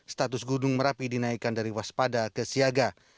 status gunung merapi dinaikkan dari waspada ke siaga